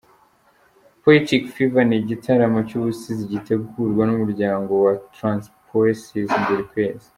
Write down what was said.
Poetic Fever ni igitaramo cy’ubusizi gitegurwa n’umuryango wa Transpoesis buri kwezi.